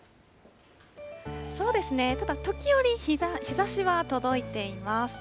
そうですね、ただ、時折、日ざしは届いています。